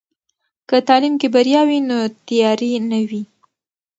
که تعلیم کې بریا وي، نو تیارې نه وي.